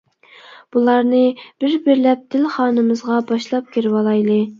بۇلارنى بىر-بىرلەپ دىل خانىمىزغا باشلاپ كىرىۋالايلى.